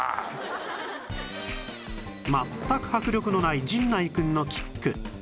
全く迫力のない陣内くんのキック